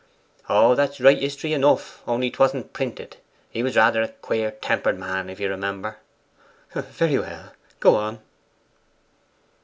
'Oh, that's right history enough, only 'twasn't prented; he was rather a queer tempered man, if you remember.' 'Very well; go on.